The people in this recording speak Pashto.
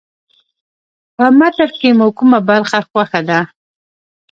په متن کې مو کومه برخه خوښه ده.